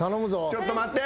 ちょっと待って。